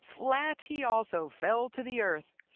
Flat he also fell to the earth